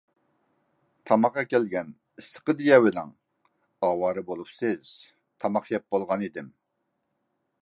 تاماق ئەكەلگەن، ئىسسىقىدا يەۋېلىڭ، ئاۋارە بولۇپسىز، تاماق يەپ بولغان ئىدىم.